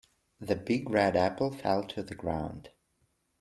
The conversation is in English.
The big red apple fell to the ground.